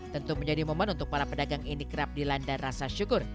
tentu menjadi momen untuk para pedagang ini kerap dilanda rasa syukur